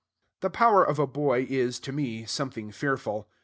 The power of a boy is, to me, something fearful.